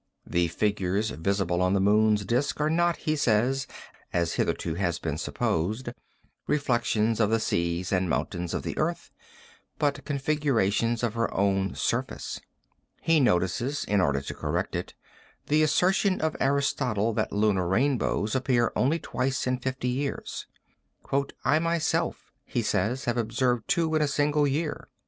The figures visible on the moon's disc are not, he says, as hitherto has been supposed, reflections of the seas and mountains of the earth, but configurations of her own surface. He notices, in order to correct it, the assertion of Aristotle that lunar rainbows appear only twice in fifty years; 'I myself,' he says have observed two in a single year.'